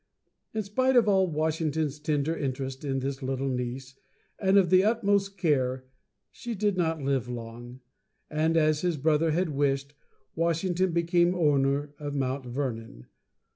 In spite of all Washington's tender interest in this little niece, and of the utmost care, she did not live long, and, as his brother had wished, Washington became owner of Mount Vernon.